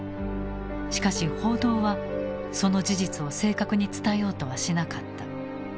しかし報道はその事実を正確に伝えようとはしなかった。